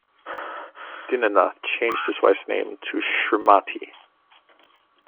Dinanath changed his wife's name to 'Shrimati'.